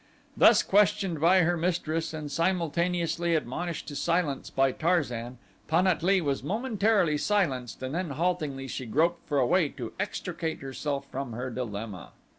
Thus questioned by her mistress and simultaneously admonished to silence by Tarzan, Pan at lee was momentarily silenced and then haltingly she groped for a way to extricate herself from her dilemma.